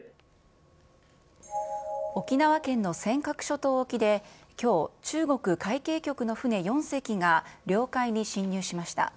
沖縄県の尖閣諸島沖できょう、中国海警局の船４隻が、領海に侵入しました。